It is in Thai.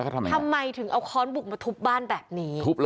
ทำไมทำไมถึงเอาค้อนบุกมาทุบบ้านแบบนี้